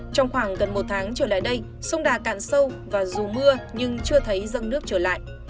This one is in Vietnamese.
trong khoảng gần một tháng trở lại đây sông đà cạn sâu và dù mưa nhưng chưa thấy dâng nước trở lại